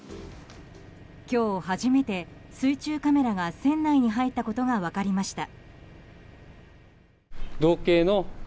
今日初めて、水中カメラが船内に入ったことが分かりました。